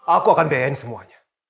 aku akan biayain semuanya